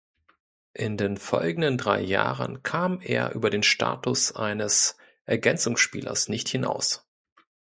In den folgenden drei Jahren kam er über den Status eines Ergänzungsspielers nicht hinaus.